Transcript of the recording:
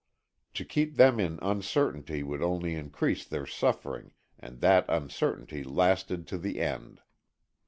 To keep them in uncertainty would only increase their suffering and that uncertainty lasted to the end.